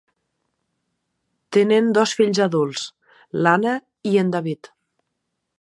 Tenen dos fills adults, l'Anna i en David.